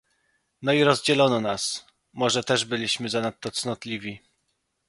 "No i rozdzielono nas... Może też byliśmy zanadto cnotliwi..."